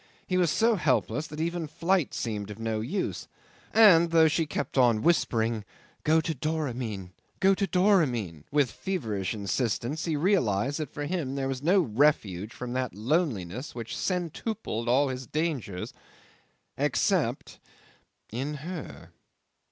He was so helpless that even flight seemed of no use; and though she kept on whispering, "Go to Doramin, go to Doramin," with feverish insistence, he realised that for him there was no refuge from that loneliness which centupled all his dangers except in her.